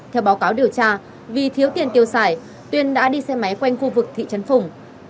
theo báo cáo điều tra vì thiếu tiền tiêu xài tuyên đã đi xe máy quanh khu vực thị trấn phùng